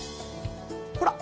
ほら。